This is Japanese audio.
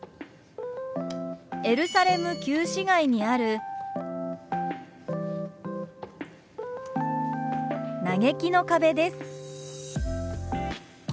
エルサレム旧市街にある嘆きの壁です。